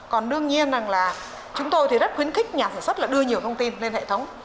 còn đương nhiên rằng là chúng tôi thì rất khuyến khích nhà sản xuất là đưa nhiều thông tin lên hệ thống